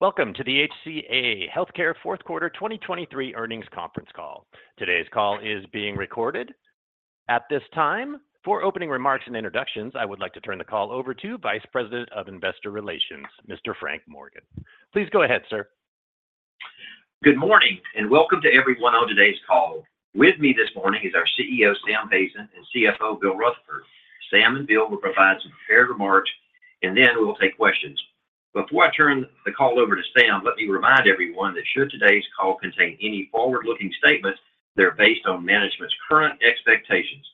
Welcome to the HCA Healthcare Fourth Quarter 2023 Earnings Conference Call. Today's call is being recorded. At this time, for opening remarks and introductions, I would like to turn the call over to Vice President of Investor Relations, Mr. Frank Morgan. Please go ahead, sir. Good morning, and welcome to everyone on today's call. With me this morning is our CEO, Sam Hazen, and CFO, Bill Rutherford. Sam and Bill will provide some prepared remarks, and then we will take questions. Before I turn the call over to Sam, let me remind everyone that should today's call contain any forward-looking statements, they're based on management's current expectations.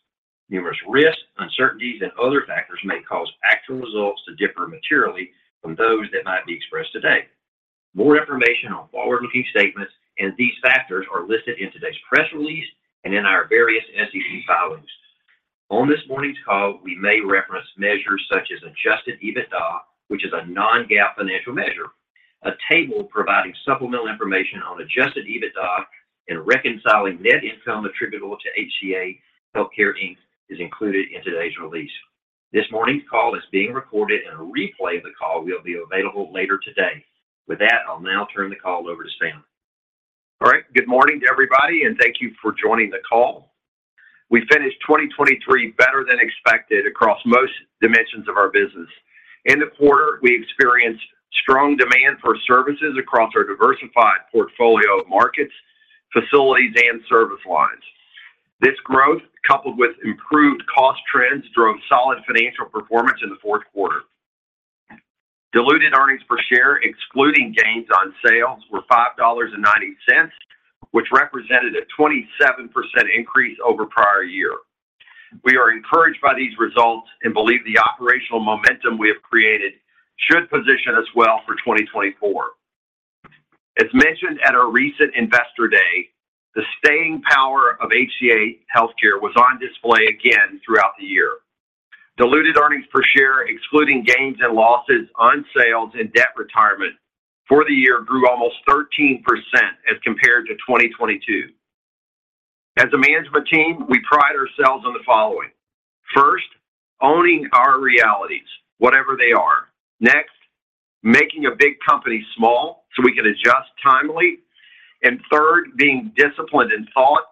Numerous risks, uncertainties and other factors may cause actual results to differ materially from those that might be expressed today. More information on forward-looking statements and these factors are listed in today's press release and in our various SEC filings. On this morning's call, we may reference measures such as Adjusted EBITDA, which is a non-GAAP financial measure. A table providing supplemental information on Adjusted EBITDA and reconciling net income attributable to HCA Healthcare Inc. is included in today's release. This morning's call is being recorded, and a replay of the call will be available later today. With that, I'll now turn the call over to Sam. All right. Good morning to everybody, and thank you for joining the call. We finished 2023 better than expected across most dimensions of our business. In the quarter, we experienced strong demand for services across our diversified portfolio of markets, facilities, and service lines. This growth, coupled with improved cost trends, drove solid financial performance in the fourth quarter. Diluted earnings per share, excluding gains on sales, were $5.90, which represented a 27% increase over prior year. We are encouraged by these results and believe the operational momentum we have created should position us well for 2024. As mentioned at our recent Investor Day, the staying power of HCA Healthcare was on display again throughout the year. Diluted earnings per share, excluding gains and losses on sales and debt retirement for the year, grew almost 13% as compared to 2022. As a management team, we pride ourselves on the following: First, owning our realities, whatever they are. Next, making a big company small so we can adjust timely. And third, being disciplined in thought,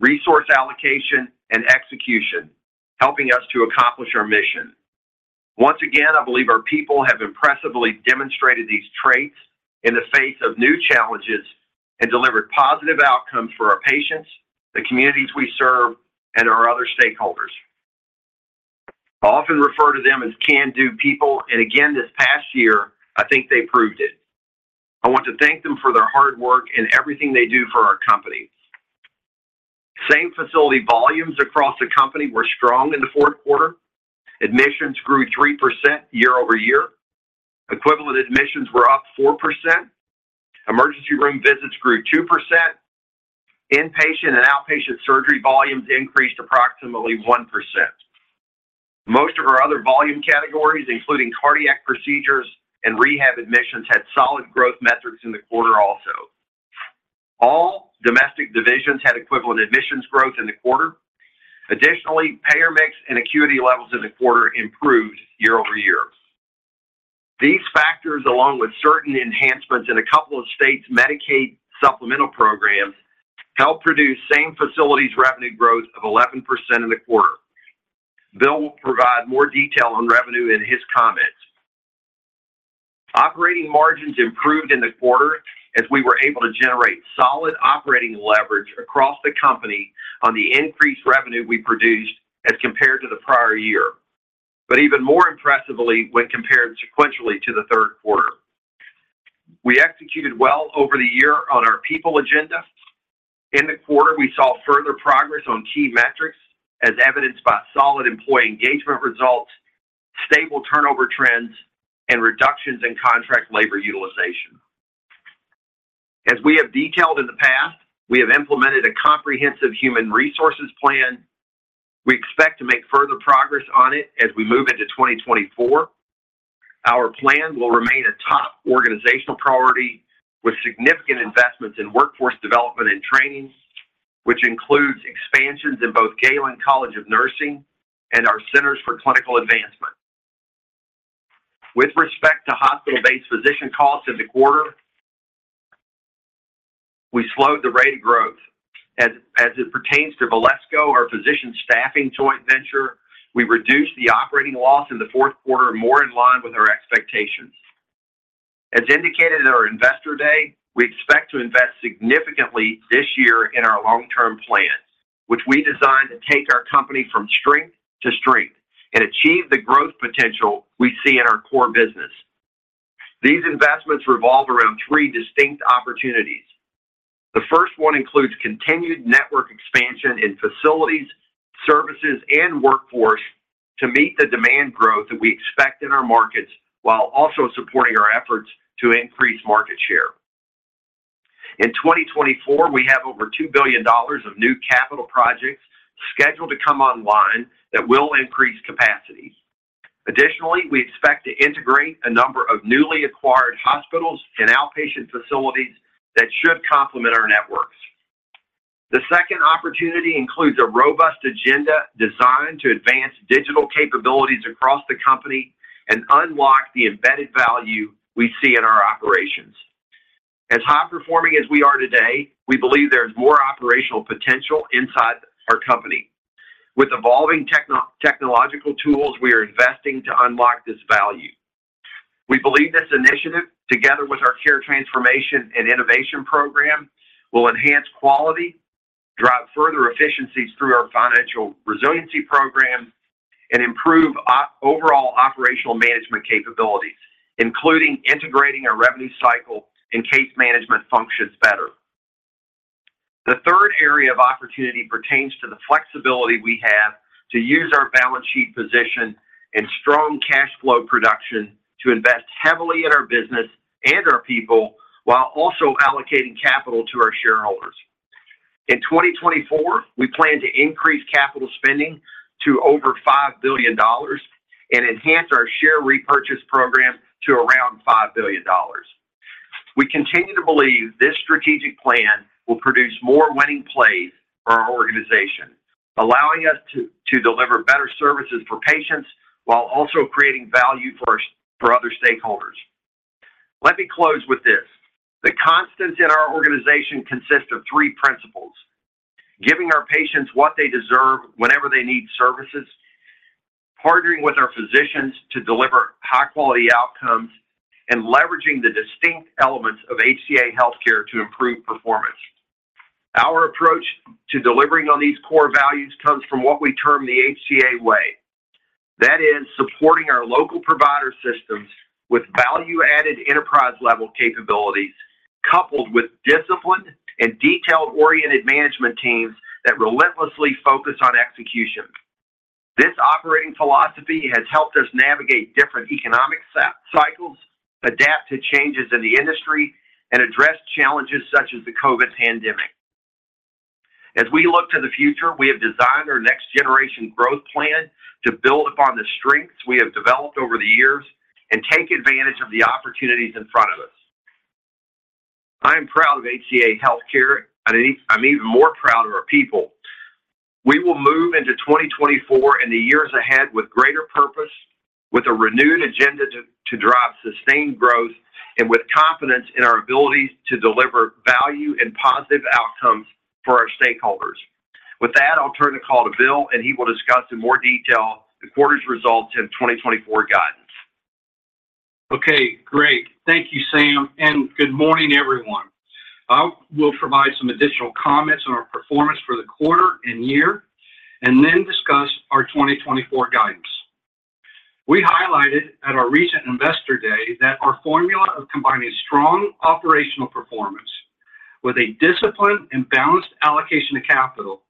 resource allocation, and execution, helping us to accomplish our mission. Once again, I believe our people have impressively demonstrated these traits in the face of new challenges and delivered positive outcomes for our patients, the communities we serve, and our other stakeholders. I often refer to them as can-do people, and again, this past year, I think they proved it. I want to thank them for their hard work and everything they do for our company. Same-Facility volumes across the company were strong in the fourth quarter. Admissions grew 3% year-over-year. Equivalent Admissions were up 4%. Emergency room visits grew 2%. Inpatient and outpatient surgery volumes increased approximately 1%. Most of our other volume categories, including cardiac procedures and rehab admissions, had solid growth metrics in the quarter also. All domestic divisions had equivalent admissions growth in the quarter. Additionally, payer mix and acuity levels in the quarter improved year-over-year. These factors, along with certain enhancements in a couple of states' Medicaid supplemental programs, helped produce same-facility revenue growth of 11% in the quarter. Bill will provide more detail on revenue in his comments. Operating margins improved in the quarter as we were able to generate solid operating leverage across the company on the increased revenue we produced as compared to the prior year, but even more impressively, when compared sequentially to the third quarter. We executed well over the year on our people agenda. In the quarter, we saw further progress on key metrics, as evidenced by solid employee engagement results, stable turnover trends, and reductions in contract labor utilization. As we have detailed in the past, we have implemented a comprehensive human resources plan. We expect to make further progress on it as we move into 2024. Our plan will remain a top organizational priority, with significant investments in workforce development and training, which includes expansions in both Galen College of Nursing and our Centers for Clinical Advancement. With respect to hospital-based physician costs in the quarter, we slowed the rate of growth. As it pertains to Valesco, our physician staffing joint venture, we reduced the operating loss in the fourth quarter, more in line with our expectations. As indicated at our Investor Day, we expect to invest significantly this year in our long-term plans, which we designed to take our company from strength to strength and achieve the growth potential we see in our core business. These investments revolve around three distinct opportunities. The first one includes continued network expansion in facilities, services, and workforce to meet the demand growth that we expect in our markets, while also supporting our efforts to increase market share. In 2024, we have over $2 billion of new capital projects scheduled to come online that will increase capacity. Additionally, we expect to integrate a number of newly acquired hospitals and outpatient facilities that should complement our networks. The second opportunity includes a robust agenda designed to advance digital capabilities across the company and unlock the embedded value we see in our operations. As high performing as we are today, we believe there's more operational potential inside our company. With evolving technological tools, we are investing to unlock this value. We believe this initiative, together with our Care Transformation and Innovation program, will enhance quality, drive further efficiencies through our financial resiliency program, and improve overall operational management capabilities, including integrating our revenue cycle and case management functions better. The third area of opportunity pertains to the flexibility we have to use our balance sheet position and strong cash flow production to invest heavily in our business and our people, while also allocating capital to our shareholders. In 2024, we plan to increase capital spending to over $5 billion and enhance our share repurchase program to around $5 billion. We continue to believe this strategic plan will produce more winning plays for our organization, allowing us to deliver better services for patients, while also creating value for other stakeholders. Let me close with this: The constants in our organization consist of three principles, giving our patients what they deserve whenever they need services, partnering with our physicians to deliver high-quality outcomes, and leveraging the distinct elements of HCA Healthcare to improve performance. Our approach to delivering on these core values comes from what we term the HCA Way. That is, supporting our local provider systems with value-added enterprise-level capabilities, coupled with disciplined and detail-oriented management teams that relentlessly focus on execution. This operating philosophy has helped us navigate different economic cycles, adapt to changes in the industry, and address challenges such as the COVID pandemic. As we look to the future, we have designed our next generation growth plan to build upon the strengths we have developed over the years and take advantage of the opportunities in front of us. I am proud of HCA Healthcare, and I'm even more proud of our people. We will move into 2024 and the years ahead with greater purpose, with a renewed agenda to drive sustained growth, and with confidence in our ability to deliver value and positive outcomes for our stakeholders. With that, I'll turn the call to Bill, and he will discuss in more detail the quarter's results and 2024 guidance. Okay, great. Thank you, Sam, and good morning, everyone. I will provide some additional comments on our performance for the quarter and year, and then discuss our 2024 guidance. We highlighted at our recent Investor Day that our formula of combining strong operational performance with a disciplined and balanced allocation of capital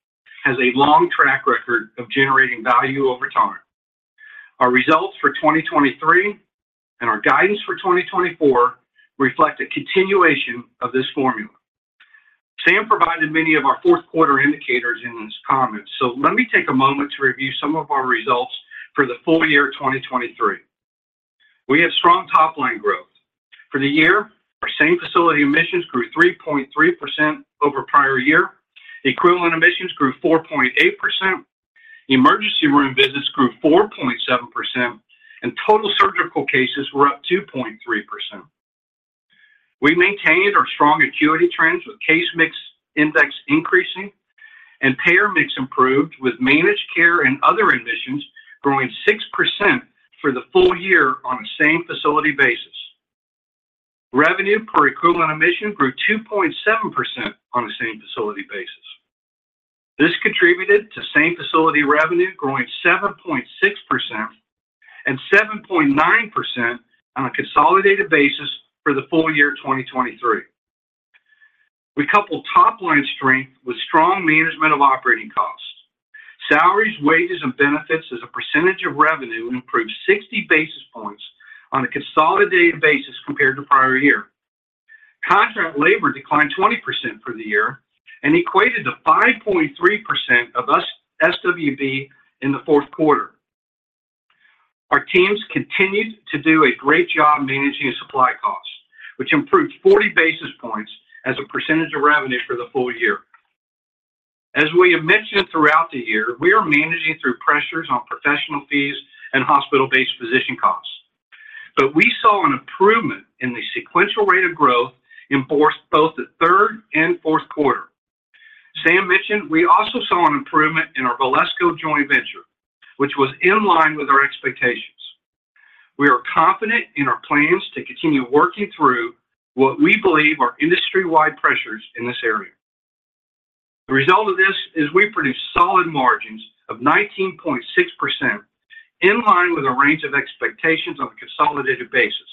has a long track record of generating value over time. Our results for 2023 and our guidance for 2024 reflect a continuation of this formula. Sam provided many of our fourth quarter indicators in his comments, so let me take a moment to review some of our results for the full year, 2023. We had strong top-line growth. For the year, our Same Facility admissions grew 3.3% over prior year. Equivalent Admissions grew 4.8%. Emergency room visits grew 4.7%, and total surgical cases were up 2.3%. We maintained our strong acuity trends, with Case Mix Index increasing, and payer mix improved, with managed care and other admissions growing 6% for the full year on a same-facility basis. Revenue per equivalent admission grew 2.7% on a same-facility basis. This contributed to same-facility revenue growing 7.6% and 7.9% on a consolidated basis for the full year 2023. We coupled top-line strength with strong management of operating costs. Salaries, wages, and benefits as a percentage of revenue improved 60 basis points on a consolidated basis compared to prior year. Contract labor declined 20% for the year and equated to 5.3% of our SWB in the fourth quarter. Our teams continued to do a great job managing supply costs, which improved 40 basis points as a percentage of revenue for the full year. As we have mentioned throughout the year, we are managing through pressures on professional fees and hospital-based physician costs, but we saw an improvement in the sequential rate of growth in both, both the third and fourth quarter. Sam mentioned we also saw an improvement in our Valesco joint venture, which was in line with our expectations. We are confident in our plans to continue working through what we believe are industry-wide pressures in this area. The result of this is we produced solid margins of 19.6%, in line with a range of expectations on a consolidated basis,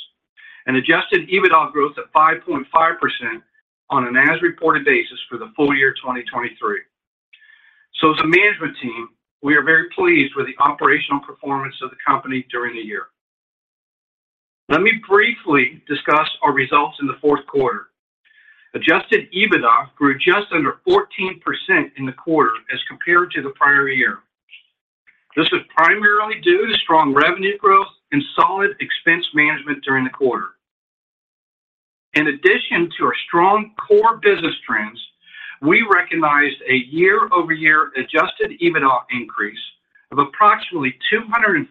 and Adjusted EBITDA growth of 5.5% on an as-reported basis for the full year 2023. So as a management team, we are very pleased with the operational performance of the company during the year. Let me briefly discuss our results in the fourth quarter. Adjusted EBITDA grew just under 14% in the quarter as compared to the prior year. This was primarily due to strong revenue growth and solid expense management during the quarter. In addition to our strong core business trends, we recognized a year-over-year adjusted EBITDA increase of approximately $250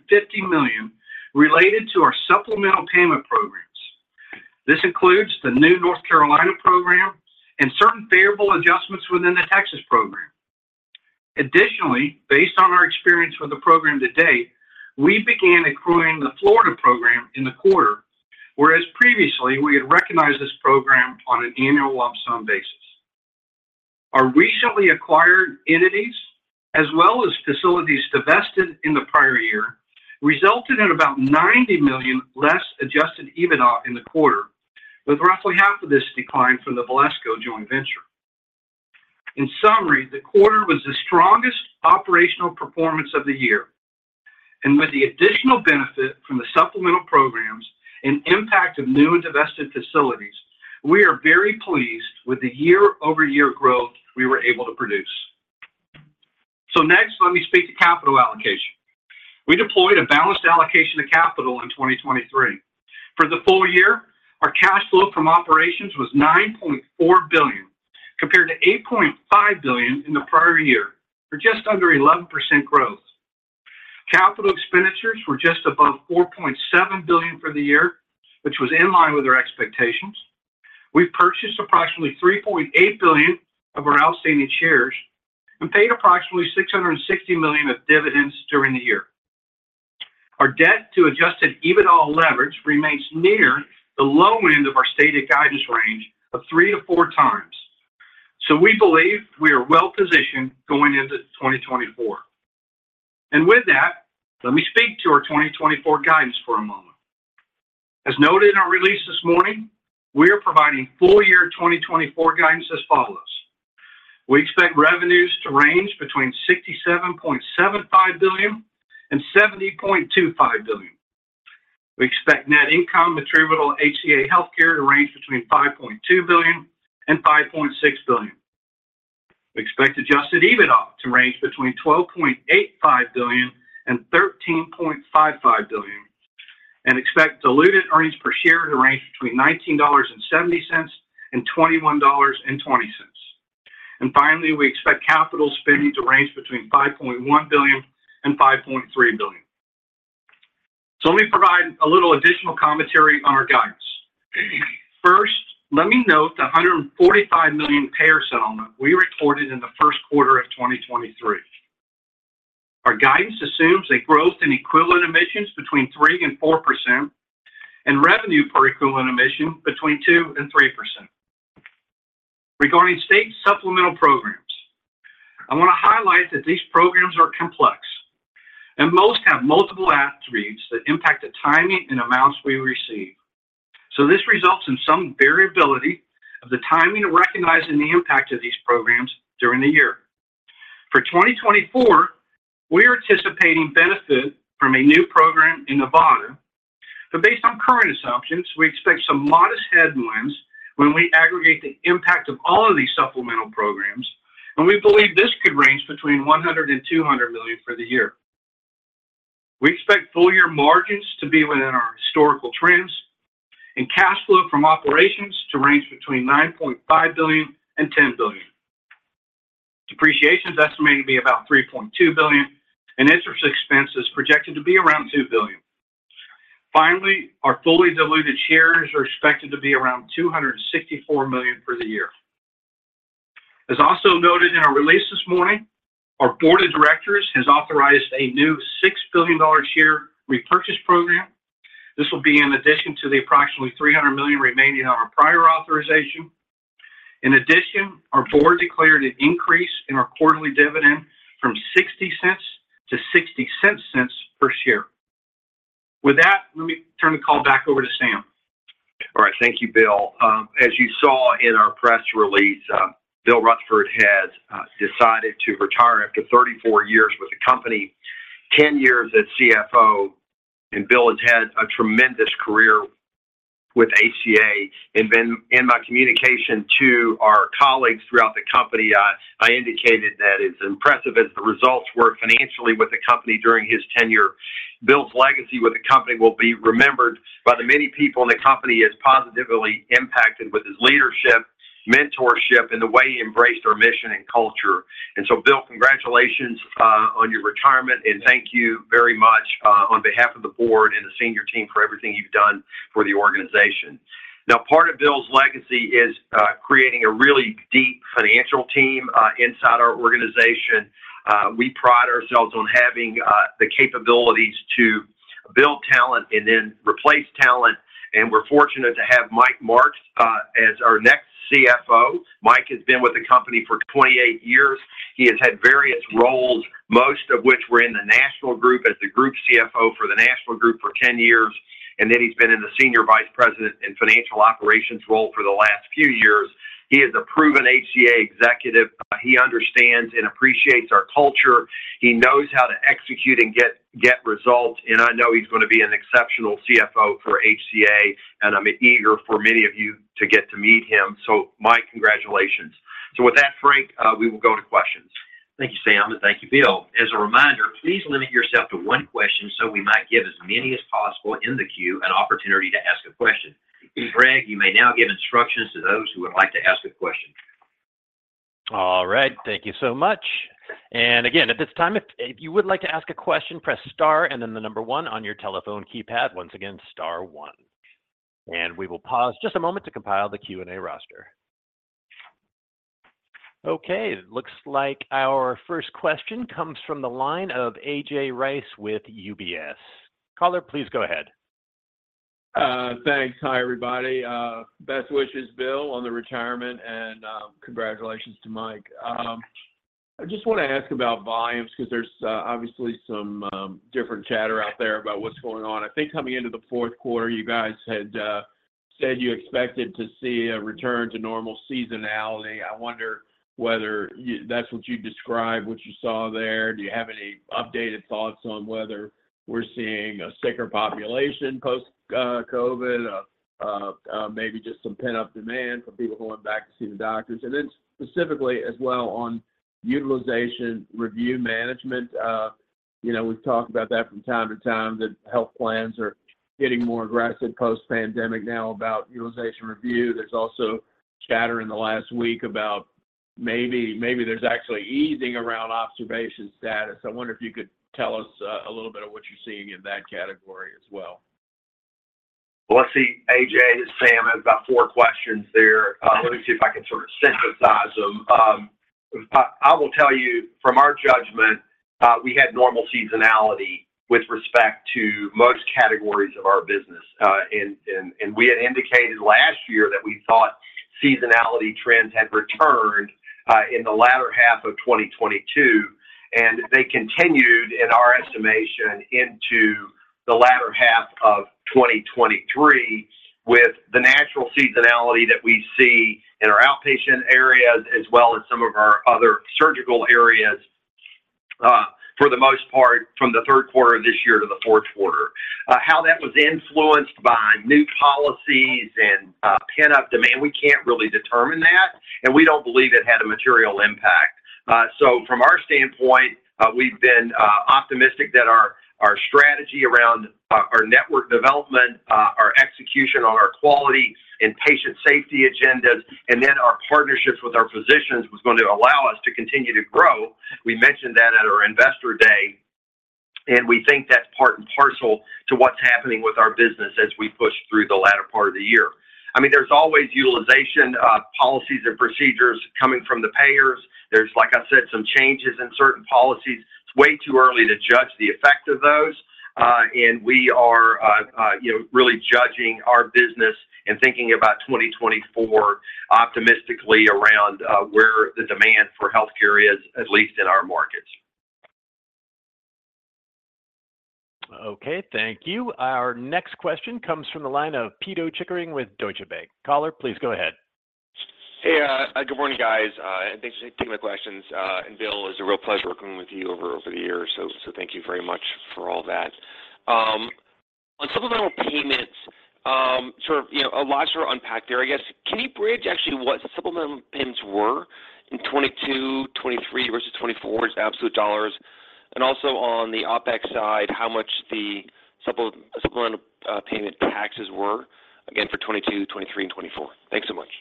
million related to our supplemental payment programs. This includes the new North Carolina program and certain favorable adjustments within the Texas program. Additionally, based on our experience with the program to date, we began accruing the Florida program in the quarter, whereas previously, we had recognized this program on an annual lump sum basis. Our recently acquired entities, as well as facilities divested in the prior year, resulted in about $90 million less Adjusted EBITDA in the quarter, with roughly half of this decline from the Valesco joint venture. In summary, the quarter was the strongest operational performance of the year, and with the additional benefit from the supplemental programs and impact of new and divested facilities, we are very pleased with the year-over-year growth we were able to produce. So next, let me speak to capital allocation. We deployed a balanced allocation of capital in 2023. For the full year, our cash flow from operations was $9.4 billion, compared to $8.5 billion in the prior year, for just under 11% growth. Capital expenditures were just above $4.7 billion for the year, which was in line with our expectations. We purchased approximately $3.8 billion of our outstanding shares and paid approximately $660 million of dividends during the year. Our debt-to-Adjusted EBITDA leverage remains near the low end of our stated guidance range of 3-4 times. So we believe we are well-positioned going into 2024. And with that, let me speak to our 2024 guidance for a moment. As noted in our release this morning, we are providing full year 2024 guidance as follows: We expect revenues to range between $67.75 billion and $70.25 billion. We expect net income attributable to HCA Healthcare to range between $5.2 billion and $5.6 billion. We expect Adjusted EBITDA to range between $12.85 billion and $13.55 billion, and expect diluted earnings per share to range between $19.70 and $21.20. And finally, we expect capital spending to range between $5.1 billion and $5.3 billion. So let me provide a little additional commentary on our guidance. First, let me note the $145 million payer settlement we reported in the first quarter of 2023. Our guidance assumes a growth in equivalent admissions between 3% and 4%, and revenue per equivalent admission between 2% and 3%. Regarding state supplemental programs, I want to highlight that these programs are complex, and most have multiple attributes that impact the timing and amounts we receive. So this results in some variability of the timing of recognizing the impact of these programs during the year. For 2024, we are anticipating benefit from a new program in Nevada, but based on current assumptions, we expect some modest headwinds when we aggregate the impact of all of these supplemental programs, and we believe this could range between $100 million and $200 million for the year. We expect full year margins to be within our historical trends and cash flow from operations to range between $9.5 billion and $10 billion. Depreciation is estimated to be about $3.2 billion, and interest expense is projected to be around $2 billion. Finally, our fully diluted shares are expected to be around 264 million for the year. As also noted in our release this morning, our board of directors has authorized a new $6 billion share repurchase program. This will be in addition to the approximately $300 million remaining on our prior authorization. In addition, our board declared an increase in our quarterly dividend from $0.60 to $0.66 per share. With that, let me turn the call back over to Sam. All right, thank you, Bill. As you saw in our press release, Bill Rutherford has decided to retire after 34 years with the company, 10 years as CFO, and Bill has had a tremendous career with HCA. And then in my communication to our colleagues throughout the company, I indicated that as impressive as the results were financially with the company during his tenure, Bill's legacy with the company will be remembered by the many people in the company he has positively impacted with his leadership, mentorship, and the way he embraced our mission and culture. And so Bill, congratulations on your retirement, and thank you very much on behalf of the board and the senior team, for everything you've done for the organization. Now, part of Bill's legacy is creating a really deep financial team inside our organization. We pride ourselves on having the capabilities to build talent and then replace talent, and we're fortunate to have Mike Marks as our next CFO. Mike has been with the company for 28 years. He has had various roles, most of which were in the national group as the Group CFO for the national group for 10 years, and then he's been in the Senior Vice President in Financial Operations role for the last few years. He is a proven HCA executive. He understands and appreciates our culture. He knows how to execute and get results, and I know he's going to be an exceptional CFO for HCA, and I'm eager for many of you to get to meet him. So Mike, congratulations. So with that, Frank, we will go to questions. Thank you, Sam, and thank you, Bill. As a reminder, please limit yourself to one question so we might give as many as possible in the queue an opportunity to ask a question. Greg, you may now give instructions to those who would like to ask a question. All right. Thank you so much. Again, at this time, if you would like to ask a question, press star and then the number one on your telephone keypad. Once again, star one, and we will pause just a moment to compile the Q&A roster. Okay, it looks like our first question comes from the line of A.J. Rice with UBS. Caller, please go ahead. Thanks. Hi, everybody. Best wishes, Bill, on the retirement, and congratulations to Mike. I just want to ask about volumes because there's obviously some different chatter out there about what's going on. I think coming into the fourth quarter, you guys had said you expected to see a return to normal seasonality. I wonder whether you - that's what you'd describe what you saw there. Do you have any updated thoughts on whether we're seeing a sicker population post COVID, maybe just some pent-up demand for people going back to see the doctors? And then specifically as well on utilization review management, you know, we've talked about that from time to time, that health plans are getting more aggressive post-pandemic now about utilization review. There's also chatter in the last week about maybe there's actually easing around observation status. I wonder if you could tell us, a little bit of what you're seeing in that category as well? Well, let's see, AJ, Sam, I've got 4 questions there. Let me see if I can sort of synthesize them. I will tell you from our judgment, we had normal seasonality with respect to most categories of our business. And we had indicated last year that we thought seasonality trends had returned in the latter half of 2022, and they continued, in our estimation, into the latter half of 2023, with the natural seasonality that we see in our outpatient areas, as well as some of our other surgical areas, for the most part, from the third quarter of this year to the fourth quarter. How that was influenced by new policies and pent-up demand, we can't really determine that, and we don't believe it had a material impact. So from our standpoint, we've been optimistic that our strategy around our network development, our execution on our quality and patient safety agendas, and then our partnerships with our physicians was going to allow us to continue to grow. We mentioned that at our Investor Day, and we think that's part and parcel to what's happening with our business as we push through the latter part of the year. I mean, there's always utilization policies and procedures coming from the payers. There's, like I said, some changes in certain policies. It's way too early to judge the effect of those, and we are, you know, really judging our business and thinking about 2024 optimistically around where the demand for healthcare is, at least in our markets. Okay, thank you. Our next question comes from the line of Pito Chickering with Deutsche Bank. Caller, please go ahead. Hey, good morning, guys, and thanks for taking my questions. And Bill, it's a real pleasure working with you over the years, so thank you very much for all that. On supplemental payments, sort of, you know, a lot sort of unpacked there, I guess. Can you bridge actually what supplemental payments were in 2022, 2023 versus 2024 as absolute dollars? And also on the OpEx side, how much the supplemental payment taxes were, again for 2022, 2023, and 2024? Thanks so much.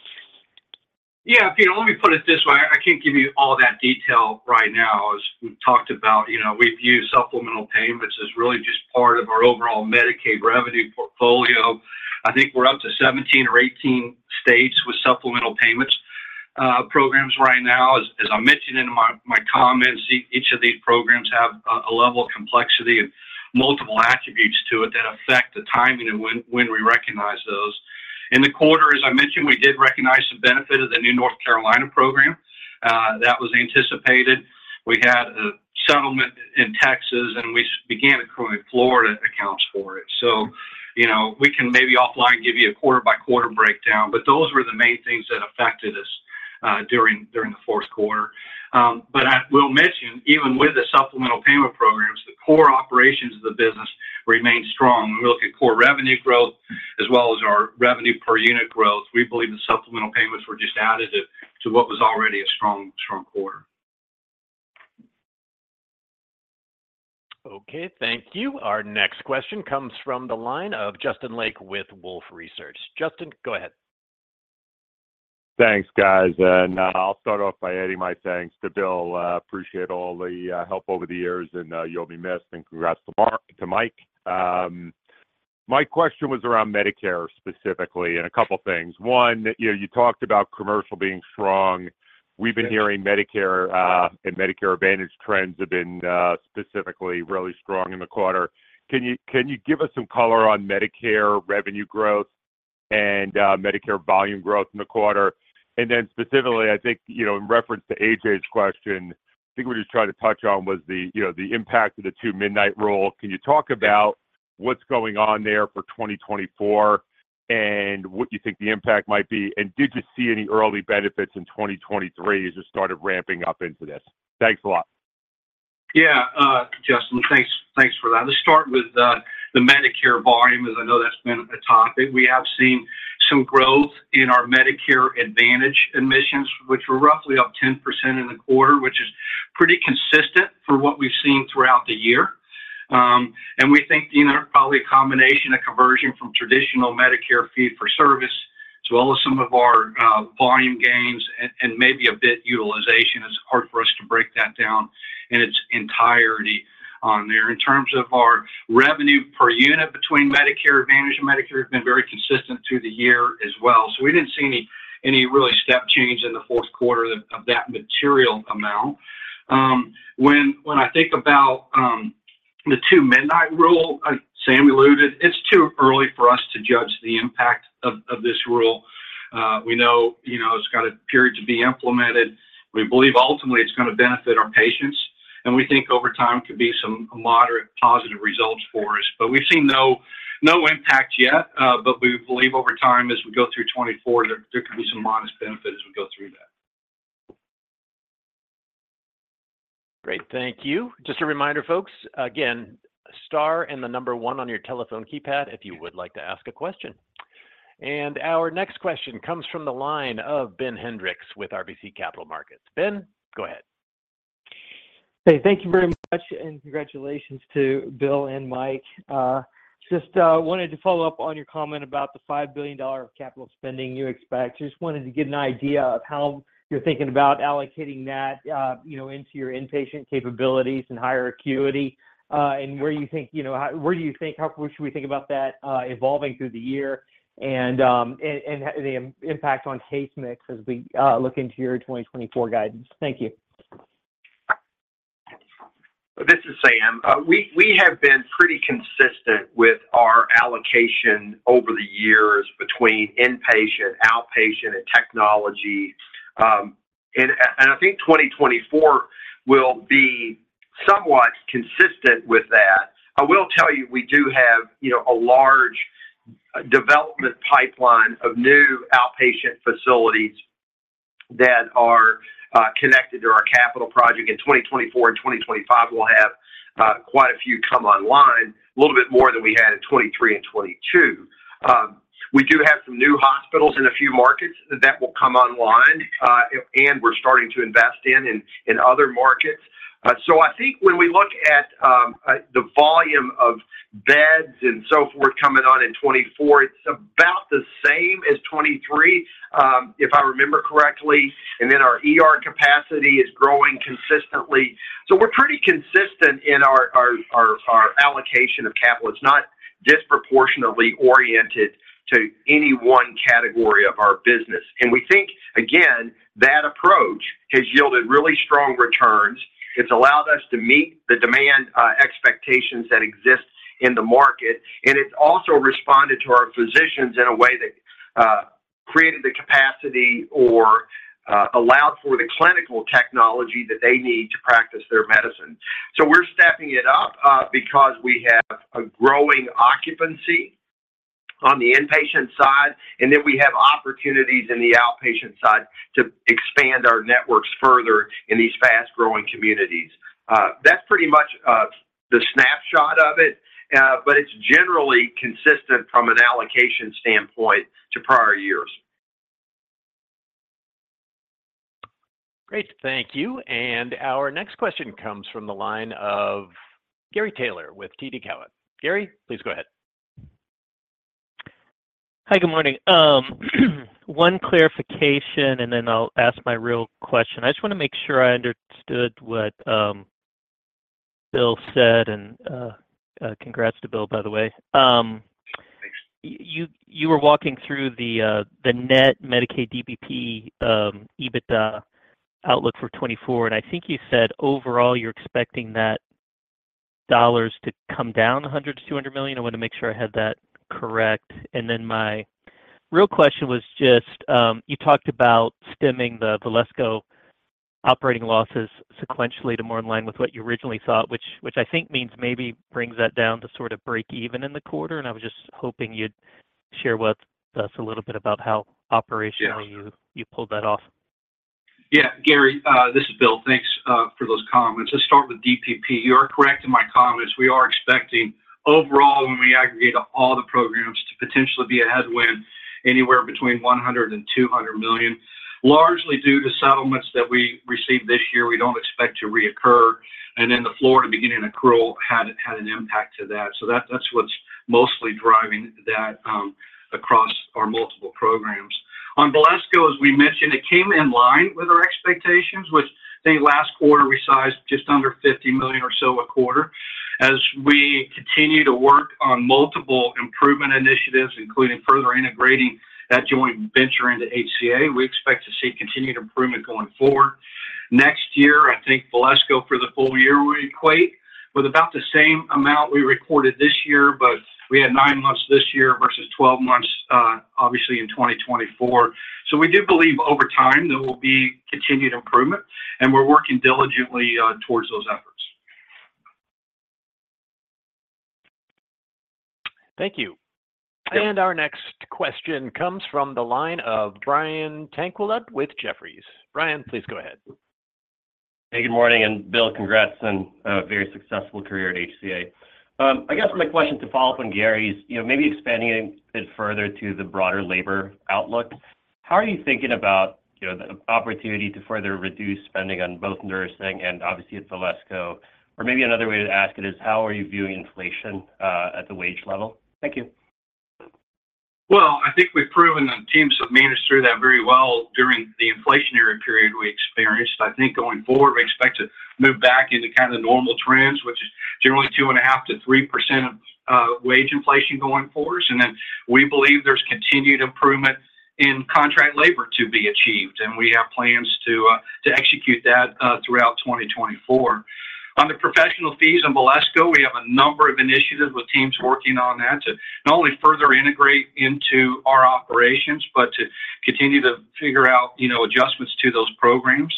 Yeah, Pete, let me put it this way. I can't give you all that detail right now. As we've talked about, you know, we view supplemental payments as really just part of our overall Medicaid revenue portfolio. I think we're up to 17 or 18 states with supplemental payments programs right now. As I mentioned in my comments, each of these programs have a level of complexity and multiple attributes to it that affect the timing and when we recognize those. In the quarter, as I mentioned, we did recognize the benefit of the new North Carolina program. That was anticipated. We had a settlement in Texas, and we began accruing Florida accounts for it. So, you know, we can maybe offline give you a quarter by quarter breakdown, but those were the main things that affected us during the fourth quarter. But I will mention, even with the supplemental payment programs, the core operations of the business remained strong. When we look at core revenue growth, as well as our revenue per unit growth, we believe the supplemental payments were just added to what was already a strong, strong quarter. Okay, thank you. Our next question comes from the line of Justin Lake with Wolfe Research. Justin, go ahead. Thanks, guys, and, I'll start off by adding my thanks to Bill. Appreciate all the help over the years, and, you'll be missed, and congrats to Mark, to Mike. My question was around Medicare, specifically, and a couple of things. One, you know, you talked about commercial being strong. We've been hearing Medicare, and Medicare Advantage trends have been, specifically really strong in the quarter. Can you give us some color on Medicare revenue growth and, Medicare volume growth in the quarter? And then specifically, I think, you know, in reference to AJ's question, I think what he was trying to touch on was the, you know, the impact of the Two Midnight Rule. Can you talk about what's going on there for 2024 and what you think the impact might be? Did you see any early benefits in 2023 as you started ramping up into this? Thanks a lot. Yeah, Justin, thanks, thanks for that. Let's start with the Medicare volume, as I know that's been a topic. We have seen some growth in our Medicare Advantage admissions, which were roughly up 10% in the quarter, which is pretty consistent for what we've seen throughout the year. And we think, you know, probably a combination of conversion from traditional Medicare fee-for-service, to all of some of our, volume gains, and maybe a bit utilization. It's hard for us to break that down in its entirety on there. In terms of our revenue per unit between Medicare Advantage and Medicare, has been very consistent through the year as well. So we didn't see any really step change in the fourth quarter of that material amount. When, when I think about the Two Midnight Rule, Sam alluded, it's too early for us to judge the impact of this rule. We know, you know, it's got a period to be implemented. We believe ultimately it's gonna benefit our patients, and we think over time could be some moderate positive results for us. But we've seen no impact yet, but we believe over time, as we go through 2024, there could be some modest benefit as we go through that. Great, thank you. Just a reminder, folks, again, star and the number one on your telephone keypad if you would like to ask a question. And our next question comes from the line of Ben Hendrix with RBC Capital Markets. Ben, go ahead. Hey, thank you very much, and congratulations to Bill and Mike. Just wanted to follow up on your comment about the $5 billion of capital spending you expect. Just wanted to get an idea of how you're thinking about allocating that, you know, into your inpatient capabilities and higher acuity, and where you think, you know, how should we think about that evolving through the year and the impact on case mix as we look into your 2024 guidance? Thank you. This is Sam. We have been pretty consistent with our allocation over the years between inpatient, outpatient, and technology. I think 2024 will be somewhat consistent with that. I will tell you, we do have, you know, a large development pipeline of new outpatient facilities that are connected to our capital project. In 2024 and 2025, we'll have quite a few come online, a little bit more than we had in 2023 and 2022. We do have some new hospitals in a few markets that will come online, and we're starting to invest in other markets. I think when we look at the volume of beds and so forth coming on in 2024, it's about the same as 2023, if I remember correctly, and then our ER capacity is growing consistently. So we're pretty consistent in our allocation of capital. It's not disproportionately oriented to any one category of our business. We think, again, that approach has yielded really strong returns. It's allowed us to meet the demand expectations that exist in the market, and it's also responded to our physicians in a way that created the capacity or allowed for the clinical technology that they need to practice their medicine. So we're stepping it up, because we have a growing occupancy on the inpatient side, and then we have opportunities in the outpatient side to expand our networks further in these fast-growing communities. That's pretty much the snapshot of it, but it's generally consistent from an allocation standpoint to prior years. Great, thank you. Our next question comes from the line of Gary Taylor with TD Cowen. Gary, please go ahead. Hi, good morning. One clarification, and then I'll ask my real question. I just wanna make sure I understood what Bill said, and congrats to Bill, by the way. Thanks. You, you were walking through the net Medicaid DPP EBITDA outlook for 2024, and I think you said overall, you're expecting that dollars to come down $100 million-$200 million. I wanted to make sure I had that correct. And then my real question was just, you talked about stemming the Valesco operating losses sequentially to more in line with what you originally thought, which, which I think means maybe brings that down to sort of break even in the quarter, and I was just hoping you'd share with us a little bit about how operationally you, you pulled that off. Yeah, Gary, this is Bill. Thanks for those comments. Let's start with DPP. You are correct in my comments. We are expecting overall, when we aggregate all the programs, to potentially be a headwind anywhere between $100 million and $200 million, largely due to settlements that we received this year, we don't expect to reoccur, and then the Florida beginning accrual had an impact to that. So that, that's what's mostly driving that, across our multiple programs. On Valesco, as we mentioned, it came in line with our expectations, which I think last quarter we sized just under $50 million or so a quarter. As we continue to work on multiple improvement initiatives, including further integrating that joint venture into HCA, we expect to see continued improvement going forward. Next year, I think Valesco, for the full year, will equate with about the same amount we recorded this year, but we had 9 months this year versus 12 months, obviously in 2024. So we do believe over time there will be continued improvement, and we're working diligently towards those efforts. Thank you. Our next question comes from the line of Brian Tanquilut with Jefferies. Brian, please go ahead. Hey, good morning, and Bill, congrats on a very successful career at HCA. I guess my question to follow up on Gary's, you know, maybe expanding it a bit further to the broader labor outlook. How are you thinking about, you know, the opportunity to further reduce spending on both nursing and obviously at Valesco? Or maybe another way to ask it is, how are you viewing inflation at the wage level? Thank you. Well, I think we've proven the teams have managed through that very well during the inflationary period we experienced. I think going forward, we expect to move back into kind of normal trends, which is generally 2.5%-3% of wage inflation going forward. And then we believe there's continued improvement in contract labor to be achieved, and we have plans to execute that throughout 2024. On the professional fees and Valesco, we have a number of initiatives with teams working on that to not only further integrate into our operations, but to continue to figure out, you know, adjustments to those programs.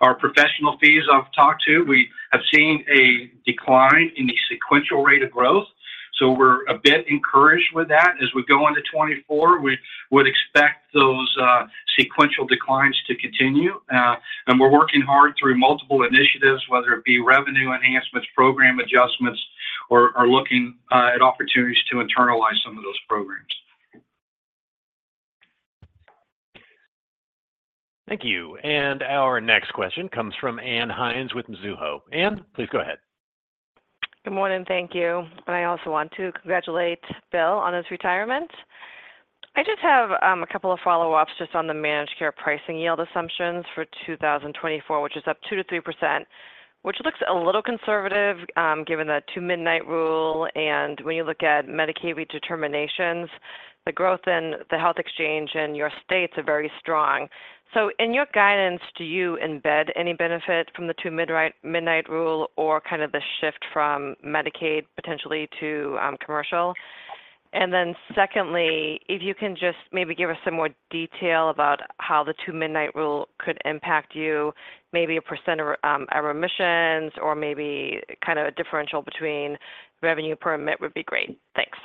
Our professional fees I've talked to, we have seen a decline in the sequential rate of growth, so we're a bit encouraged with that. As we go into 2024, we would expect those sequential declines to continue. We're working hard through multiple initiatives, whether it be revenue enhancements, program adjustments, or looking at opportunities to internalize some of those programs. Thank you. Our next question comes from Ann Hynes with Mizuho. Ann, please go ahead. Good morning. Thank you. And I also want to congratulate Bill on his retirement. I just have a couple of follow-ups just on the managed care pricing yield assumptions for 2024, which is up 2%-3%, which looks a little conservative, given the Two Midnight Rule. And when you look at Medicaid redeterminations, the growth in the health exchange in your states are very strong. So in your guidance, do you embed any benefit from the Two Midnight Rule or kind of the shift from Medicaid potentially to commercial? And then secondly, if you can just maybe give us some more detail about how the Two Midnight Rule could impact you, maybe a percent of admissions, or maybe kind of a differential between revenue per admit would be great. Thanks.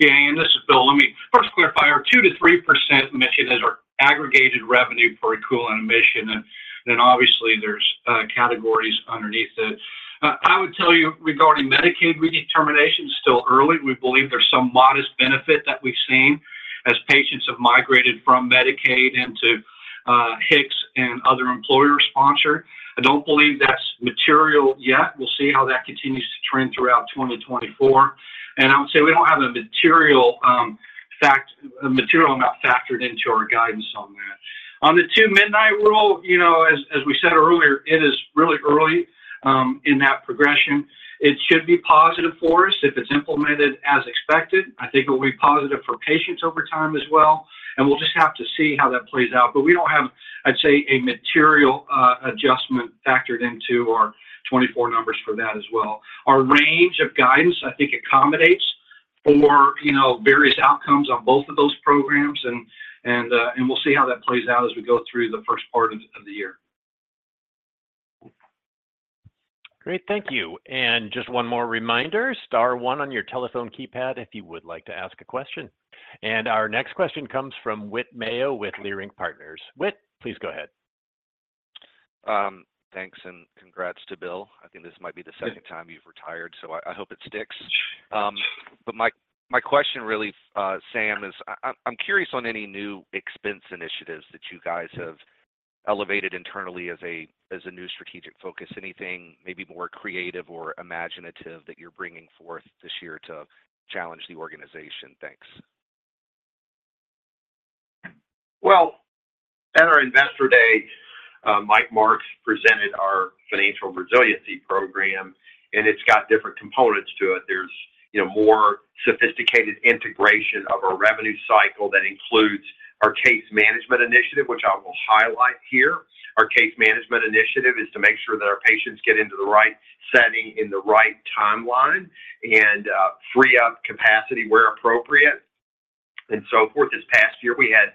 Yeah, and this is Bill. Let me first clarify, our 2%-3% margin is our aggregate revenue per equivalent admission, and then obviously there's categories underneath it. I would tell you regarding Medicaid redetermination, still early. We believe there's some modest benefit that we've seen as patients have migrated from Medicaid into HIX and other employer sponsor. I don't believe that's material yet. We'll see how that continues to trend throughout 2024, and I would say we don't have a material amount factored into our guidance on that. On the two midnight rule, you know, as we said earlier, it is really early in that progression. It should be positive for us if it's implemented as expected. I think it will be positive for patients over time as well, and we'll just have to see how that plays out. But we don't have, I'd say, a material adjustment factored into our 2024 numbers for that as well. Our range of guidance, I think, accommodates for, you know, various outcomes on both of those programs, and, and, and we'll see how that plays out as we go through the first part of the year. Great, thank you. And just one more reminder, star one on your telephone keypad if you would like to ask a question. And our next question comes from Whit Mayo with Leerink Partners. Whit, please go ahead. Thanks and congrats to Bill. I think this might be the second time you've retired, so I hope it sticks. But my question really, Sam, is, I'm curious on any new expense initiatives that you guys have elevated internally as a new strategic focus. Anything maybe more creative or imaginative that you're bringing forth this year to challenge the organization? Thanks. Well, at our Investor Day, Mike Marks presented our financial resiliency program, and it's got different components to it. There's, you know, more sophisticated integration of our revenue cycle that includes our case management initiative, which I will highlight here. Our case management initiative is to make sure that our patients get into the right setting, in the right timeline, and, free up capacity where appropriate, and so forth. This past year, we had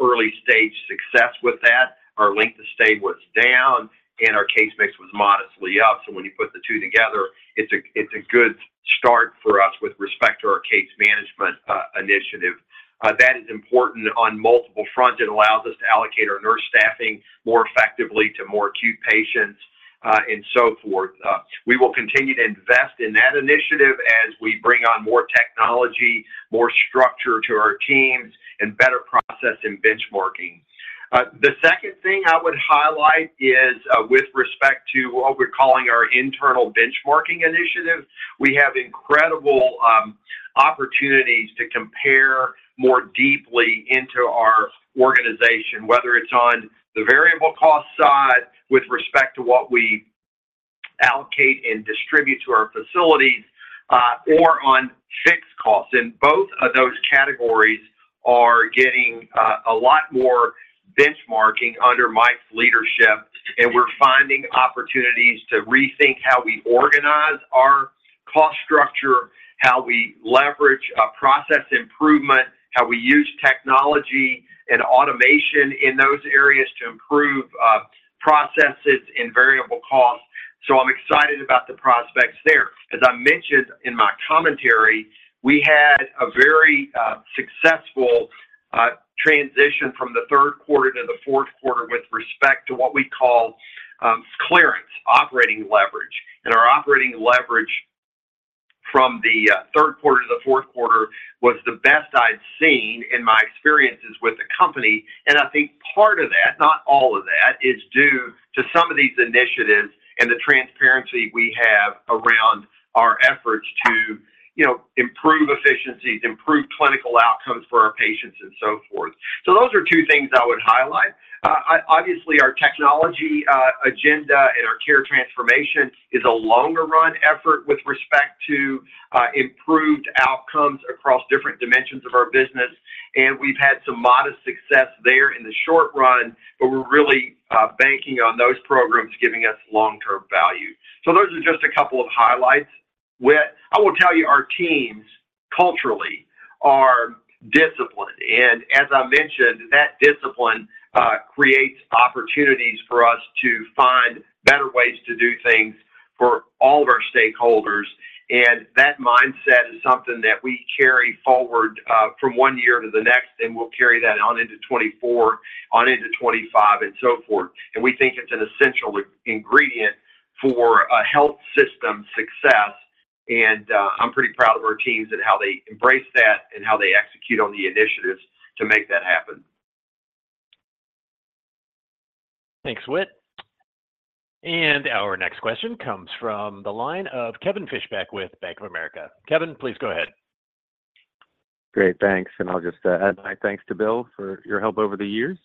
early-stage success with that. Our length of stay was down, and our case mix was modestly up. So when you put the two together, it's a, it's a good start for us with respect to our case management, initiative. That is important on multiple fronts. It allows us to allocate our nurse staffing more effectively to more acute patients, and so forth. We will continue to invest in that initiative as we bring on more technology, more structure to our teams, and better process and benchmarking. The second thing I would highlight is, with respect to what we're calling our internal benchmarking initiative. We have incredible opportunities to compare more deeply into our organization, whether it's on the variable cost side, with respect to what we allocate and distribute to our facilities, or on fixed costs. And both of those categories are getting a lot more benchmarking under Mike's leadership, and we're finding opportunities to rethink how we organize our cost structure, how we leverage process improvement, how we use technology and automation in those areas to improve processes and variable costs.... So I'm excited about the prospects there. As I mentioned in my commentary, we had a very successful transition from the third quarter to the fourth quarter with respect to what we call clearance, operating leverage. Our operating leverage from the third quarter to the fourth quarter was the best I'd seen in my experiences with the company. I think part of that, not all of that, is due to some of these initiatives and the transparency we have around our efforts to, you know, improve efficiencies, improve clinical outcomes for our patients, and so forth. Those are two things I would highlight. Obviously, our technology agenda and our care transformation is a longer run effort with respect to improved outcomes across different dimensions of our business, and we've had some modest success there in the short run, but we're really banking on those programs, giving us long-term value. So those are just a couple of highlights. Whit, I will tell you, our teams, culturally, are disciplined, and as I mentioned, that discipline creates opportunities for us to find better ways to do things for all of our stakeholders, and that mindset is something that we carry forward from one year to the next, and we'll carry that on into 2024, on into 2025, and so forth. We think it's an essential ingredient for a health system success, and I'm pretty proud of our teams and how they embrace that and how they execute on the initiatives to make that happen. Thanks, Whit. Our next question comes from the line of Kevin Fischbeck with Bank of America. Kevin, please go ahead. Great, thanks, and I'll just add my thanks to Bill for your help over the years.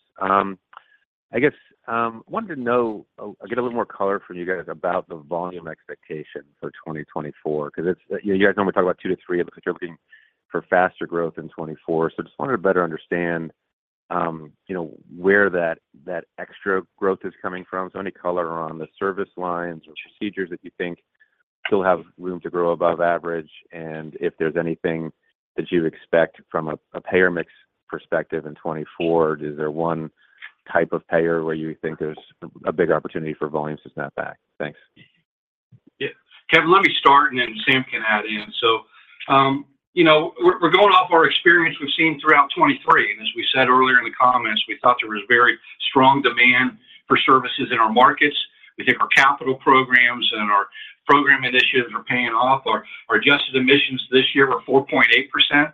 I guess wanted to know, or get a little more color from you guys about the volume expectation for 2024, because it's you guys normally talk about 2-3, it looks like you're being for faster growth in 2024. So just wanted to better understand, you know, where that, that extra growth is coming from. So any color on the service lines or procedures that you think still have room to grow above average, and if there's anything that you expect from a payer mix perspective in 2024, is there one type of payer where you think there's a big opportunity for volumes to snap back? Thanks. Yeah. Kevin, let me start, and then Sam can add in. So, you know, we're, we're going off our experience we've seen throughout 2023, and as we said earlier in the comments, we thought there was very strong demand for services in our markets. We think our capital programs and our program initiatives are paying off. Our, our adjusted admissions this year were 4.8%.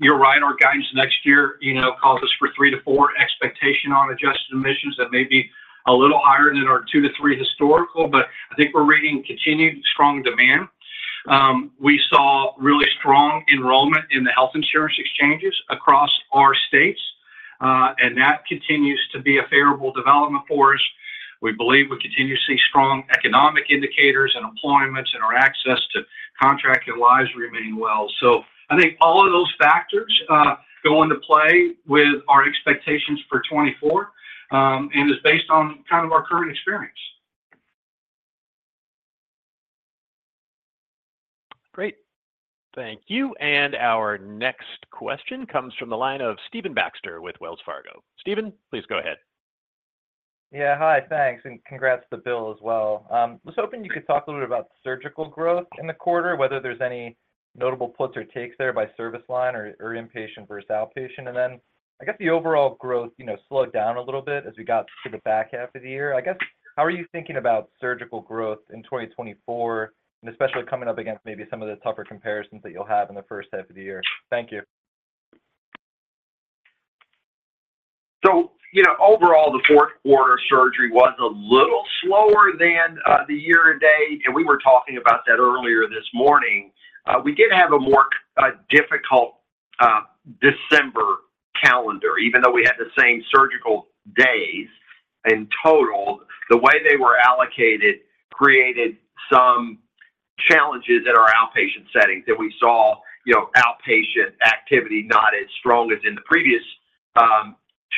You're right, our guidance next year, you know, calls us for 3%-4% expectation on adjusted admissions. That may be a little higher than our 2%-3% historical, but I think we're seeing continued strong demand. We saw really strong enrollment in the health insurance exchanges across our states, and that continues to be a favorable development for us. We believe we continue to see strong economic indicators and employment and our access to contracted lives remaining well. So I think all of those factors go into play with our expectations for 2024, and is based on kind of our current experience. Great. Thank you, and our next question comes from the line of Stephen Baxter with Wells Fargo. Stephen, please go ahead. Yeah, hi, thanks, and congrats to Bill as well. I was hoping you could talk a little bit about surgical growth in the quarter, whether there's any notable puts or takes there by service line or, or inpatient versus outpatient. And then I guess the overall growth, you know, slowed down a little bit as we got to the back half of the year. I guess, how are you thinking about surgical growth in 2024, and especially coming up against maybe some of the tougher comparisons that you'll have in the first half of the year? Thank you. So, you know, overall, the fourth quarter surgery was a little slower than the year and day, and we were talking about that earlier this morning. We did have a more difficult December calendar. Even though we had the same surgical days in total, the way they were allocated created some challenges in our outpatient settings that we saw, you know, outpatient activity not as strong as in the previous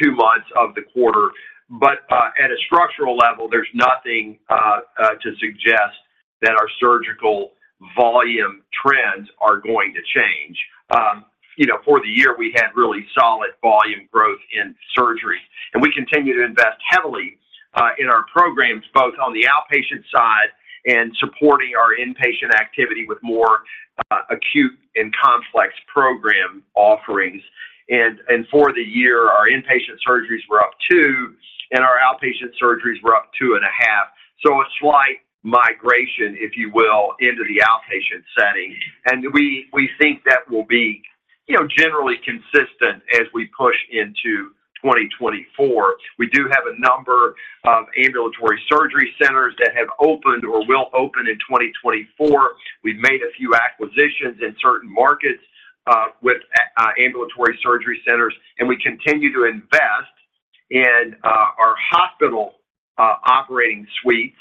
two months of the quarter. But at a structural level, there's nothing to suggest that our surgical volume trends are going to change. You know, for the year, we had really solid volume growth in surgery, and we continue to invest heavily in our programs, both on the outpatient side and supporting our inpatient activity with more acute and complex program offerings. For the year, our inpatient surgeries were up 2, and our outpatient surgeries were up 2.5. So a slight migration, if you will, into the outpatient setting. And we think that will be, you know, generally consistent as we push into 2024. We do have a number of ambulatory surgery centers that have opened or will open in 2024. We've made a few acquisitions in certain markets with ambulatory surgery centers, and we continue to invest in our hospital operating suites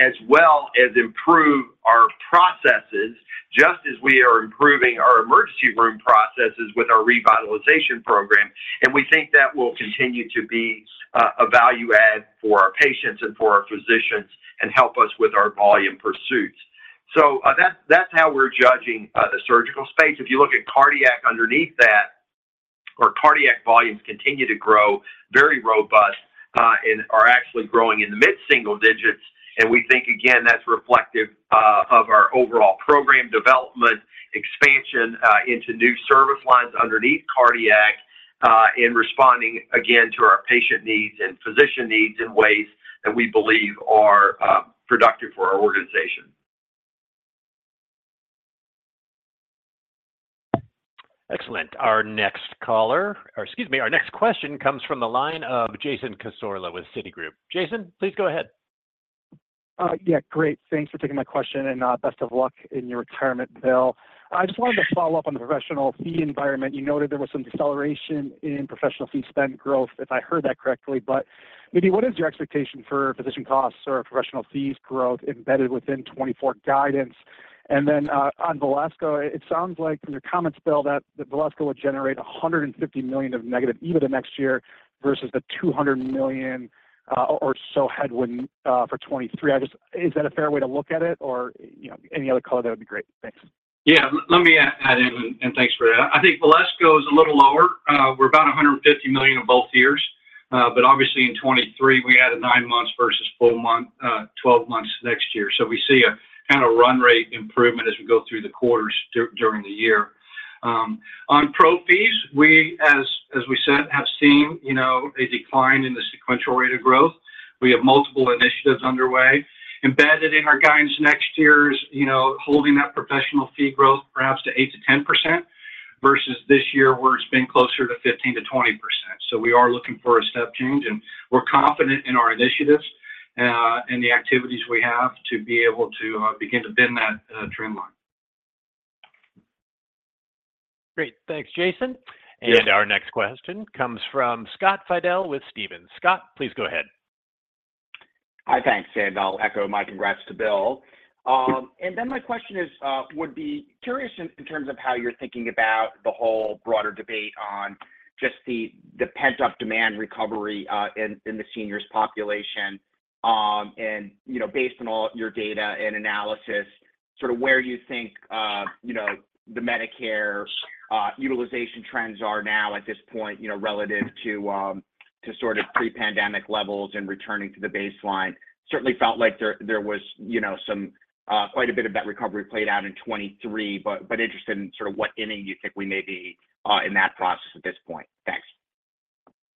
as well as improve our processes, just as we are improving our emergency room processes with our revitalization program. And we think that will continue to be a value add for our patients and for our physicians and help us with our volume pursuits. So that's how we're judging the surgical space. If you look at cardiac underneath that. Our cardiac volumes continue to grow very robust, and are actually growing in the mid-single digits. We think, again, that's reflective of our overall program development, expansion into new service lines underneath cardiac, in responding again to our patient needs and physician needs in ways that we believe are productive for our organization. Excellent. Our next caller, or excuse me, our next question comes from the line of Jason Cassorla with Citigroup. Jason, please go ahead. Yeah, great. Thanks for taking my question, and best of luck in your retirement, Bill. I just wanted to follow up on the professional fee environment. You noted there was some deceleration in professional fee spend growth, if I heard that correctly. But maybe what is your expectation for physician costs or professional fees growth embedded within 2024 guidance? And then, on Valesco, it sounds like from your comments, Bill, that the Valesco would generate $150 million of negative EBITDA next year versus the $200 million or so headwind for 2023. I just— Is that a fair way to look at it? Or, you know, any other color, that would be great. Thanks. Yeah, let me add in, and thanks for that. I think Valesco is a little lower. We're about $150 million in both years. But obviously in 2023, we had 9 months versus full month, 12 months next year. So we see a kind of run rate improvement as we go through the quarters during the year. On pro fees, we, as we said, have seen, you know, a decline in the sequential rate of growth. We have multiple initiatives underway. Embedded in our guidance next year is, you know, holding that professional fee growth perhaps to 8%-10%, versus this year, where it's been closer to 15%-20%. So we are looking for a step change, and we're confident in our initiatives, and the activities we have to be able to begin to bend that trend line. Great. Thanks, Jason. Yes. Our next question comes from Scott Fidel with Stephens. Scott, please go ahead. Hi, thanks, and I'll echo my congrats to Bill. And then my question is, I would be curious in terms of how you're thinking about the whole broader debate on just the pent-up demand recovery in the seniors population. And, you know, based on all your data and analysis, sort of where you think, you know, the Medicare utilization trends are now at this point, you know, relative to to sort of pre-pandemic levels and returning to the baseline. Certainly felt like there was, you know, some quite a bit of that recovery played out in 2023, but interested in sort of what inning you think we may be in that process at this point. Thanks.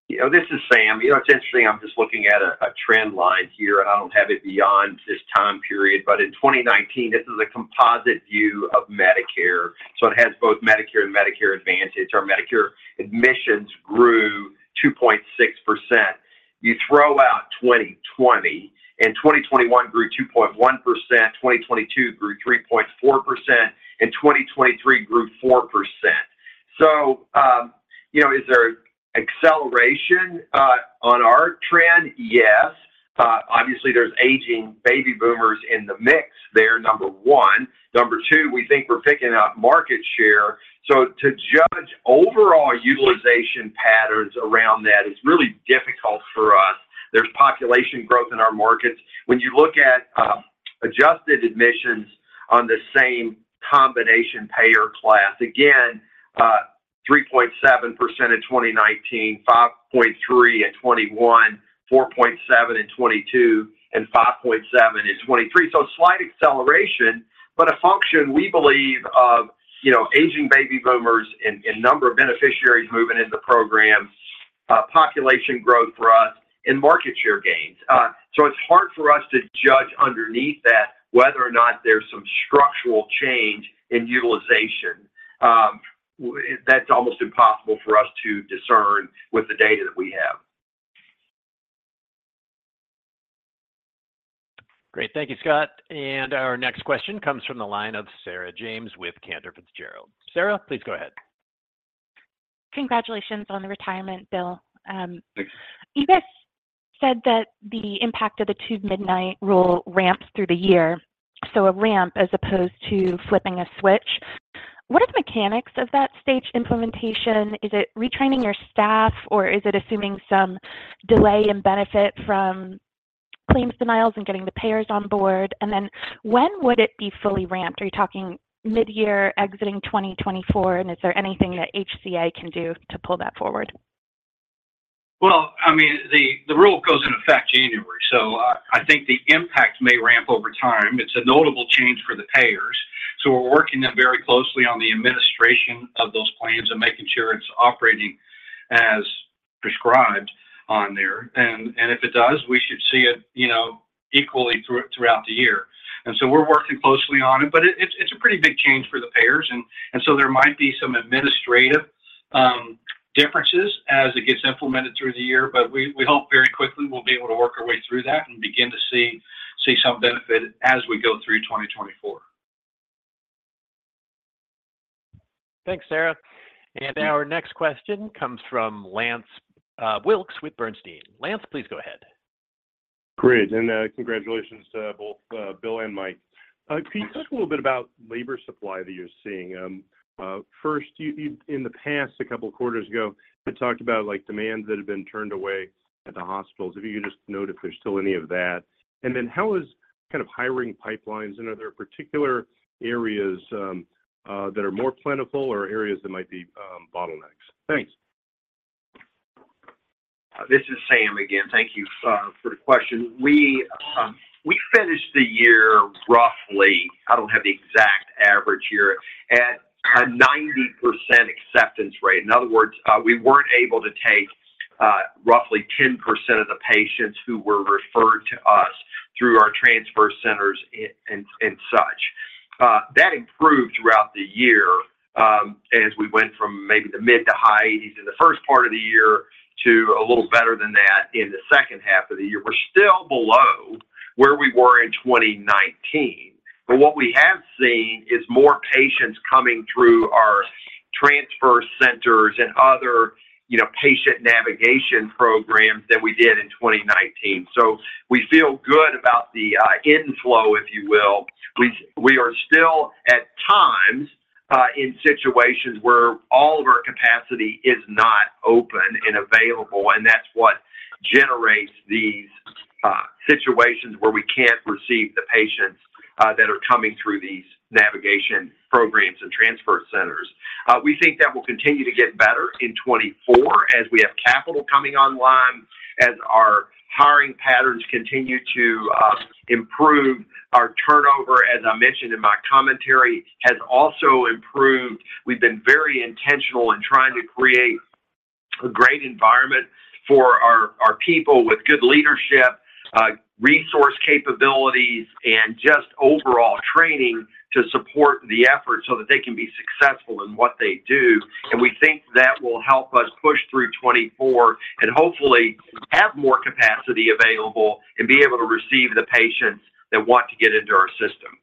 You know, this is Sam. You know, it's interesting, I'm just looking at a trend line here, and I don't have it beyond this time period, but in 2019, this is a composite view of Medicare, so it has both Medicare and Medicare Advantage. Our Medicare admissions grew 2.6%. You throw out 2020, and 2021 grew 2.1%, 2022 grew 3.4%, and 2023 grew 4%. So, you know, is there acceleration on our trend? Yes. Obviously, there's aging baby boomers in the mix there, number one. Number two, we think we're picking up market share. So to judge overall utilization patterns around that is really difficult for us. There's population growth in our markets. When you look at adjusted admissions on the same combination payer class, again, 3.7% in 2019, 5.3 in 2021, 4.7 in 2022, and 5.7 in 2023. So slight acceleration, but a function we believe of, you know, aging baby boomers and, and number of beneficiaries moving into the program, population growth for us and market share gains. So it's hard for us to judge underneath that, whether or not there's some structural change in utilization. That's almost impossible for us to discern with the data that we have. Great. Thank you, Scott. Our next question comes from the line of Sarah James with Cantor Fitzgerald. Sarah, please go ahead. Congratulations on the retirement, Bill. Thanks. You guys said that the impact of the Two Midnight Rule ramps through the year, so a ramp as opposed to flipping a switch. What are the mechanics of that staged implementation? Is it retraining your staff, or is it assuming some delay in benefit from claims denials and getting the payers on board? And then when would it be fully ramped? Are you talking mid-year, exiting 2024, and is there anything that HCA can do to pull that forward? Well, I mean, the rule goes into effect January, so I think the impact may ramp over time. It's a notable change for the payers, so we're working them very closely on the administration of those plans and making sure it's operating as prescribed on there. And if it does, we should see it, you know, equally throughout the year. And so we're working closely on it, but it's a pretty big change for the payers, and so there might be some administrative differences as it gets implemented through the year. But we hope very quickly we'll be able to work our way through that and begin to see some benefit as we go through 2024. Thanks, Sarah. And our next question comes from Lance Wilkes with Bernstein. Lance, please go ahead. Great, and, congratulations to both, Bill and Mike. Can you talk a little bit about labor supply that you're seeing? First, in the past, a couple quarters ago, you talked about, like, demands that have been turned away at the hospitals. If you could just note if there's still any of that. And then how is kind of hiring pipelines and are there particular areas, that are more plentiful or areas that might be, bottlenecks? Thanks. This is Sam again. Thank you for the question. We finished the year roughly. I don't have the exact average here, at a 90% acceptance rate. In other words, we weren't able to take roughly 10% of the patients who were referred to us through our transfer centers and such. That improved throughout the year, as we went from maybe the mid- to high 80s in the first part of the year to a little better than that in the second half of the year. We're still below where we were in 2019, but what we have seen is more patients coming through our transfer centers and other, you know, patient navigation programs than we did in 2019. So we feel good about the inflow, if you will. We are still, at times, in situations where all of our capacity is not open and available, and that's what generates these situations where we can't receive the patients that are coming through these navigation programs and transfer centers. We think that will continue to get better in 2024 as we have capital coming online, as our hiring patterns continue to improve. Our turnover, as I mentioned in my commentary, has also improved. We've been very intentional in trying to create a great environment for our people with good leadership, resource capabilities, and just overall training to support the effort so that they can be successful in what they do. We think that will help us push through 2024 and hopefully have more capacity available and be able to receive the patients that want to get into our system.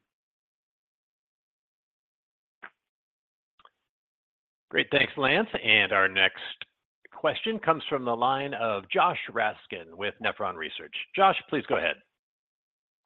Great. Thanks, Lance. Our next question comes from the line of Josh Raskin with Nephron Research. Josh, please go ahead.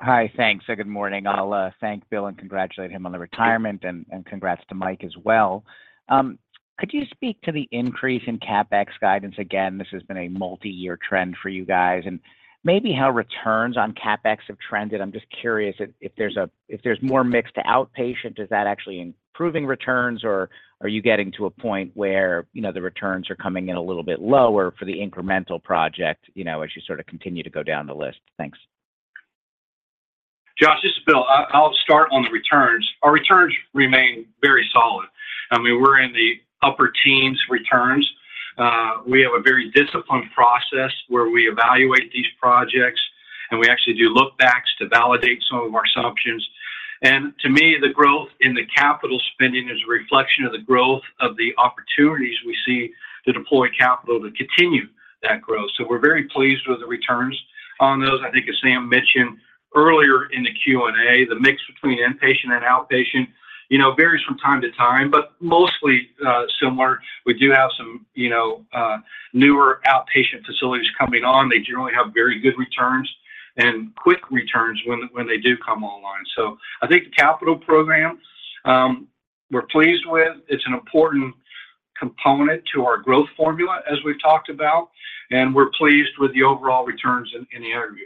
Hi, thanks. Good morning. I'll thank Bill and congratulate him on the retirement, and congrats to Mike as well. Could you speak to the increase in CapEx guidance? Again, this has been a multi-year trend for you guys, and maybe how returns on CapEx have trended. I'm just curious if there's more mix to outpatient, is that actually improving returns, or are you getting to a point where, you know, the returns are coming in a little bit lower for the incremental project, you know, as you sort of continue to go down the list? Thanks. Josh, this is Bill. I'll start on the returns. Our returns remain very solid. I mean, we're in the upper teens returns. We have a very disciplined process where we evaluate these projects, and we actually do look backs to validate some of our assumptions. And to me, the growth in the capital spending is a reflection of the growth of the opportunities we see to deploy capital to continue that growth. So we're very pleased with the returns on those. I think, as Sam mentioned earlier in the Q&A, the mix between inpatient and outpatient, you know, varies from time to time, but mostly similar. We do have some, you know, newer outpatient facilities coming on. They generally have very good returns and quick returns when they do come online. So I think the capital program, we're pleased with. It's an important component to our growth formula, as we've talked about, and we're pleased with the overall returns in the interview.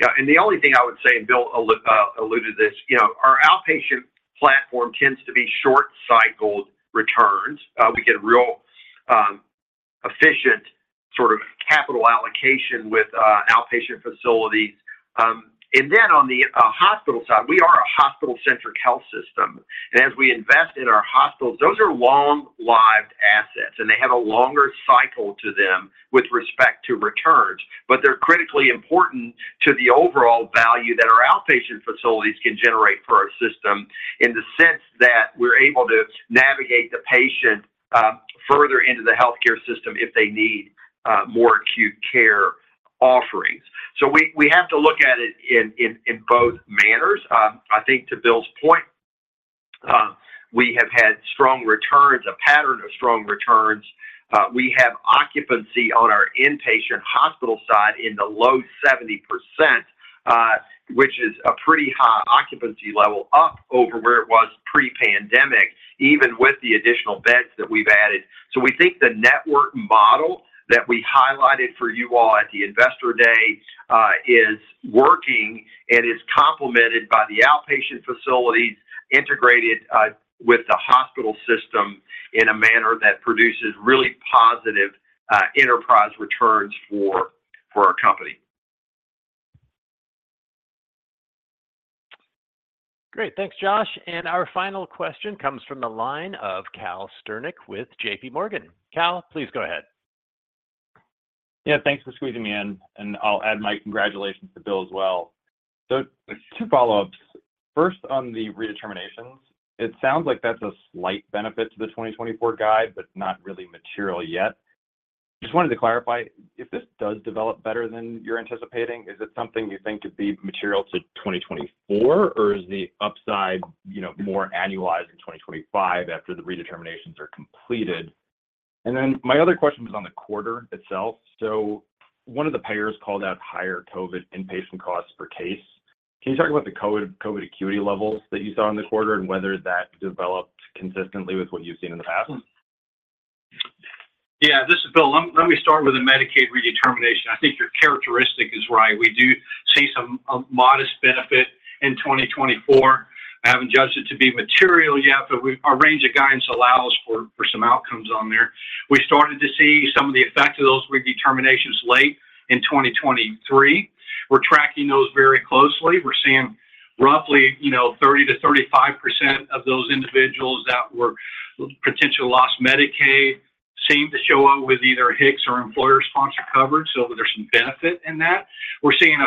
Yeah, and the only thing I would say, and Bill alluded to this, you know, our outpatient platform tends to be short-cycled returns. We get a real, efficient sort of capital allocation with outpatient facilities. And then on the hospital side, we are a hospital-centric health system, and as we invest in our hospitals, those are long-lived assets, and they have a longer cycle to them with respect to returns. But they're critically important to the overall value that our outpatient facilities can generate for our system, in the sense that we're able to navigate the patient further into the healthcare system if they need more acute care offerings. So we have to look at it in both manners. I think to Bill's point, we have had strong returns, a pattern of strong returns. We have occupancy on our inpatient hospital side in the low 70%, which is a pretty high occupancy level, up over where it was pre-pandemic, even with the additional beds that we've added. So we think the network model that we highlighted for you all at the Investor Day, is working and is complemented by the outpatient facilities, integrated, with the hospital system in a manner that produces really positive, enterprise returns for, for our company. Great. Thanks, Josh. And our final question comes from the line of Cal Sternick with JP Morgan. Cal, please go ahead. Yeah, thanks for squeezing me in, and I'll add my congratulations to Bill as well. So two follow-ups. First, on the redeterminations, it sounds like that's a slight benefit to the 2024 guide, but not really material yet. Just wanted to clarify, if this does develop better than you're anticipating, is it something you think could be material to 2024, or is the upside, you know, more annualized in 2025 after the redeterminations are completed? And then my other question was on the quarter itself. So one of the payers called out higher COVID inpatient costs per case. Can you talk about the COVID acuity levels that you saw in the quarter and whether that developed consistently with what you've seen in the past? Yeah, this is Bill. Let me start with the Medicaid redetermination. I think your characteristic is right. We do see some, a modest benefit in 2024. I haven't judged it to be material yet, but we, our range of guidance allows for, for some outcomes on there. We started to see some of the effect of those redeterminations late in 2023. We're tracking those very closely. We're seeing roughly, you know, 30%-35% of those individuals that were, potentially lost Medicaid, seem to show up with either HICS or employer-sponsored coverage, so there's some benefit in that. We're seeing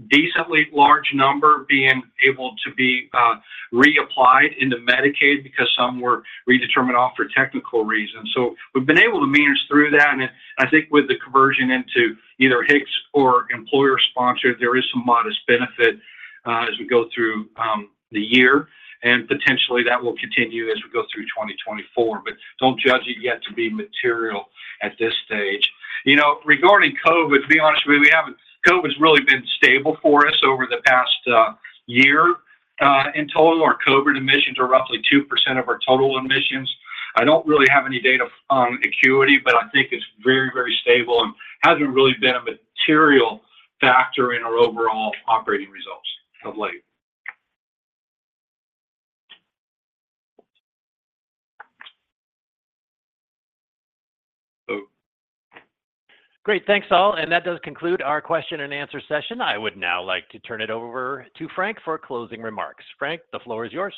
a decently large number being able to be reapplied into Medicaid because some were redetermined off for technical reasons. So we've been able to manage through that, and I think with the conversion into either HICS or employer-sponsored, there is some modest benefit as we go through the year. And potentially, that will continue as we go through 2024, but don't judge it yet to be material at this stage. You know, regarding COVID, to be honest with you, we haven't. COVID's really been stable for us over the past year. In total, our COVID admissions are roughly 2% of our total admissions. I don't really have any data on acuity, but I think it's very, very stable and hasn't really been a material factor in our overall operating results of late. Great. Thanks, all. And that does conclude our question and answer session. I would now like to turn it over to Frank for closing remarks. Frank, the floor is yours.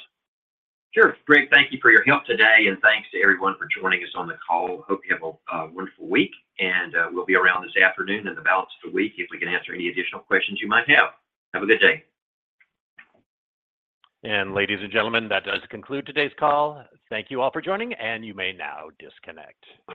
Sure. Great, thank you for your help today, and thanks to everyone for joining us on the call. Hope you have a wonderful week, and we'll be around this afternoon and the balance of the week if we can answer any additional questions you might have. Have a good day. Ladies and gentlemen, that does conclude today's call. Thank you all for joining, and you may now disconnect.